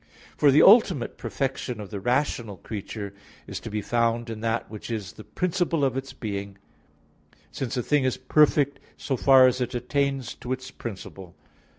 For the ultimate perfection of the rational creature is to be found in that which is the principle of its being; since a thing is perfect so far as it attains to its principle.